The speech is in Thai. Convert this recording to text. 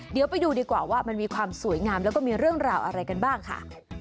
เดี๋ยวไปดูดีกว่าว่ามันมีความสวยงามแล้วก็มีเรื่องราวอะไรกันบ้างค่ะ